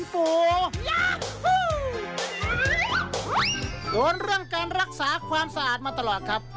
เรื่องการรักษาความสะอาดมาตลอดครับ